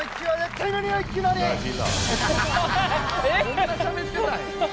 こんなしゃべってたんや。